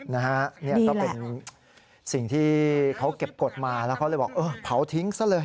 นี่ก็เป็นสิ่งที่เขาเก็บกฎมาแล้วเขาเลยบอกเออเผาทิ้งซะเลย